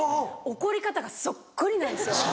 怒り方がそっくりなんですよ。